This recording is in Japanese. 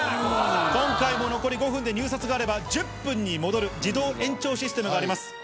今回も残り５分で入札があれば、１０分に戻る自動延長システムがあります。